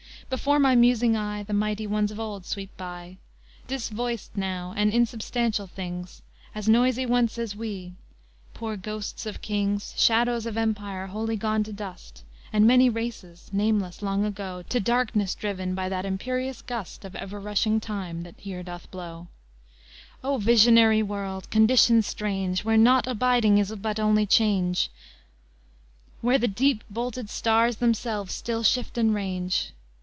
Before my musing eye The mighty ones of old sweep by, Disvoiced now and insubstantial things, As noisy once as we; poor ghosts of kings, Shadows of empire wholly gone to dust, And many races, nameless long ago, To darkness driven by that imperious gust Of ever rushing Time that here doth blow: O visionary world, condition strange, Where naught abiding is but only Change, Where the deep bolted stars themselves still shift and range!